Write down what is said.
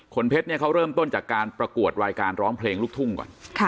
เพชรเนี่ยเขาเริ่มต้นจากการประกวดรายการร้องเพลงลูกทุ่งก่อน